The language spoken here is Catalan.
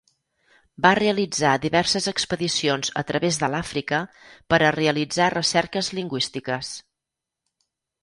Va realitzar diverses expedicions a través de l'Àfrica per a realitzar recerques lingüístiques.